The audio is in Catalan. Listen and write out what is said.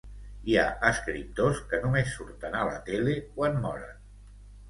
Hi ha escriptors que només surten a la tele quan moren.